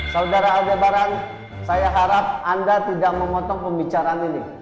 saudara saudara saya harap anda tidak memotong pembicaraan ini